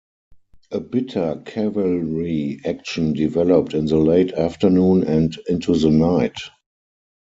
A bitter cavalry action developed in the late afternoon and into the night.